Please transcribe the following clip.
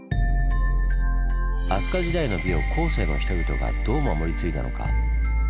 飛鳥時代の美を後世の人々がどう守り継いだのか？